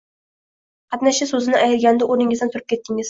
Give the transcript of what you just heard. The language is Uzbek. qatnashchi so‘zini aytganida o‘rningizdan turib ketdingiz